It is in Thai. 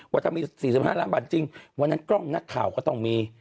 ว่าถ้ามี๔๕ล้านบาทจริงวันนั้นกล้องนักข่าวก็ต้องมี